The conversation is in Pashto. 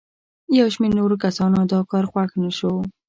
یو شمېر نورو کسانو دا کار خوښ نه شو.